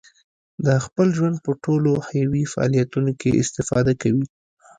د خپل ژوند په ټولو حیوي فعالیتونو کې استفاده کوي.